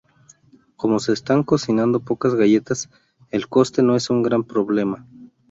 Como se están cocinando pocas galletas, el coste no es un gran problema.